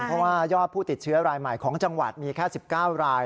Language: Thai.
เพราะว่ายอดผู้ติดเชื้อรายใหม่ของจังหวัดมีแค่๑๙ราย